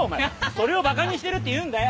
それをばかにしてるって言うんだよ！